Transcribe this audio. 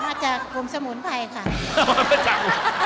มาจากกรมสมุนไพรครับ